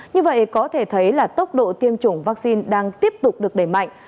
như vậy có thể thấy là tốc độ tiêm chủng vaccine đang tiếp tục được đẩy mạnh